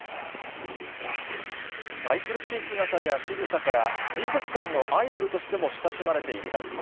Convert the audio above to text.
愛くるしい姿やしぐさから、水族館のアイドルとしても親しまれているラッコ。